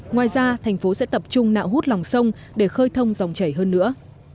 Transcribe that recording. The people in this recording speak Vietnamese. ngoài ra thành phố sẽ tập trung nạo hút lòng sông để khơi thông dòng chảy hơn nữa